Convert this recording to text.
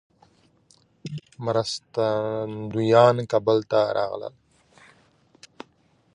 مرستندویان کابل ته راغلل.